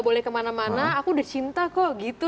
nah kemudian ini ya